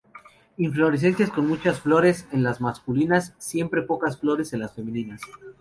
Inflorescencia con muchas flores en las masculinas, siempre pocas flores en las femeninas.